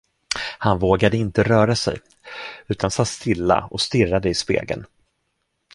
Han vågade inte röra sig, utan satt stilla och stirrade i spegeln.